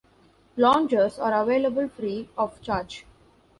Loungers are available free of charge.